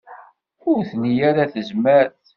Ur tli ara tazmert.